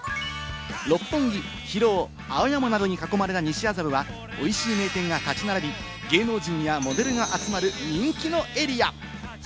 六本木、広尾、青山などに囲まれた西麻布はおいしい名店が立ち並び、芸能人やモデルが集まる人気のエリア。